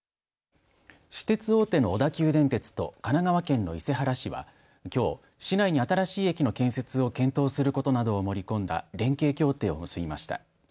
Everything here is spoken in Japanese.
私鉄大手の小田急電鉄と神奈川県の伊勢原市はきょう、市内に新しい駅の建設を検討することなどを盛り込んだ連携協定を結びました。